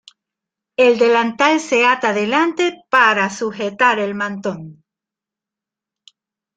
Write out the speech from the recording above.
El delantal se ata delante para sujetar el mantón.